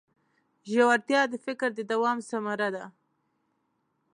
ژورتیا د فکر د دوام ثمره ده.